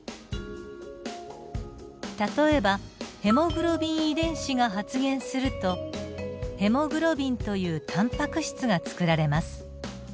例えばヘモグロビン遺伝子が発現するとヘモグロビンというタンパク質が作られます。